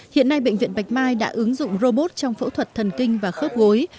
hiện nay bệnh viện bạch mai đã ứng dụng robot trong phẫu thuật thần kinh và khớp gối